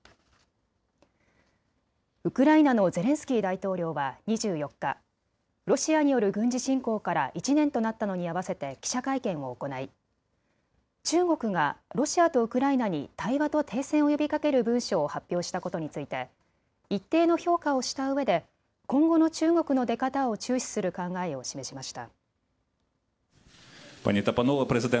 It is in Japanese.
ウクライナのゼレンスキー大統領は２４日、ロシアによる軍事侵攻から１年となったのに合わせて記者会見を行い、中国がロシアとウクライナに対話と停戦を呼びかける文書を発表したことについて一定の評価をしたうえで今後の中国の出方を注視する考えを示しました。